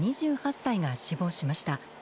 ２８歳が死亡しました。